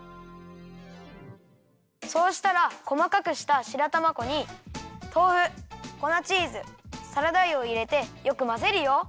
そうしたらこまかくした白玉粉にとうふ粉チーズサラダ油をいれてよくまぜるよ。